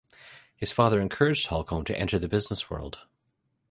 His father encouraged Holcomb to enter the business world.